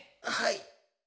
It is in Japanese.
はい。